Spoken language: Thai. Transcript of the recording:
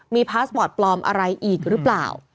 มีพาสปอร์ตปลอมอะไรอีกหรือเปล่า